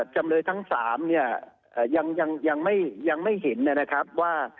จำเลยทั้ง๓เนี่ยยังไม่เห็นนะครับว่า